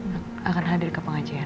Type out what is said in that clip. yang akan hadir ke pengajian